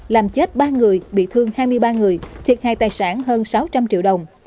làm chết ba người bị thương hai mươi ba người thiệt hại tài sản hơn sáu trăm linh triệu đồng